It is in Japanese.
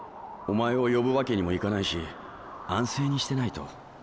お前を呼ぶわけにもいかないし安静にしてないと。